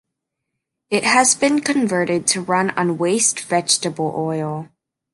It has been converted to run on waste vegetable oil.